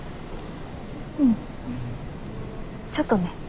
うんちょっとね。